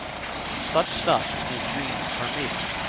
Such stuff as dreams are made on